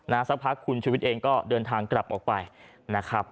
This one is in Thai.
สักพักคุณชุวิตเองก็เดินทางกลับออกไปนะครับ